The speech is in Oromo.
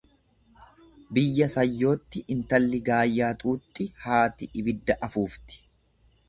Biyya sayyootti intalli gaayyaa xuuxxi haati ibidda afuufti.